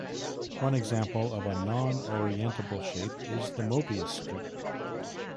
One example of a non-orientable shape is the Mobius strip.